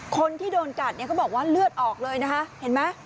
คนที่โดนกัดเนี่ยเขาบอกว่าเลือดออกเลยนะคะเห็นไหม